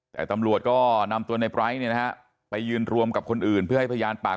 แต่ตำรวจก็นำตัวในไร้ไปยืนรวมกับคนอื่นเพื่อให้พยานปาก